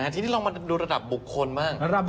ทีนี้ลองมาดูระดับบุคคลบ้าง